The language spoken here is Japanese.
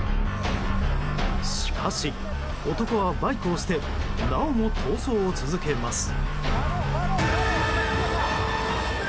しかし、男はバイクを捨てなおも逃走を続けます。